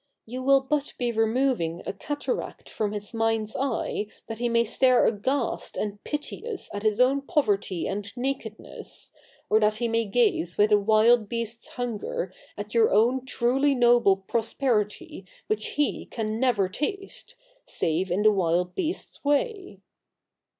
You will but be removing a cataract from his mind's eye that he may stare aghast and piteous at his own poverty and nakedness, or that he may gaze with a wild beast's hunger at your own truly CH. i] THE NEW REPUBLIC 247 noble prosperity which he can never taste, save in the wild beast's way.